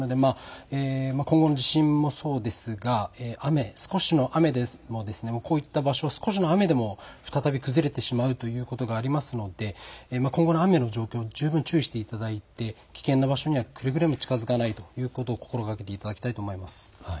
今後の地震もそうですが少しの雨でもこういった場所、少しの雨でも再び崩れてしまうということがありますので今後の雨の状況、十分注意していただいて危険な場所にはくれぐれも近づかないということを心がけていただきたいと思います。